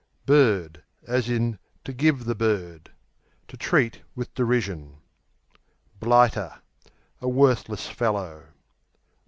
Bird, to give the To treat with derision. Blighter A worthless fellow.